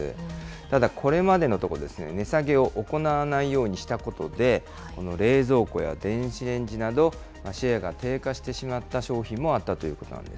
ただ、これまでのところ、値下げを行わないようにしたことで、この冷蔵庫や電子レンジなど、シェアが低下してしまった商品もあったということなんです。